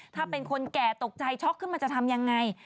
ถ้าเป็นคนแก่ตกใจช็อกขึ้นมาจะทำยังไง